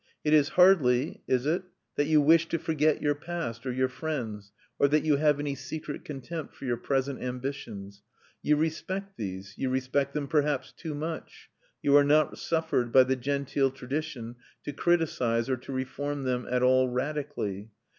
It is hardly (is it?) that you wish to forget your past, or your friends, or that you have any secret contempt for your present ambitions. You respect these, you respect them perhaps too much; you are not suffered by the genteel tradition to criticise or to reform them at all radically.